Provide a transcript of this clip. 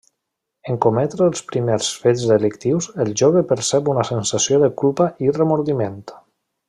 En cometre els primers fets delictius el jove percep una sensació de culpa i remordiment.